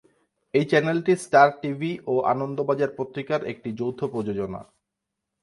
এই চ্যানেলটি Star TV ও আনন্দবাজার পত্রিকার একটি যৌথ প্রযোজনা।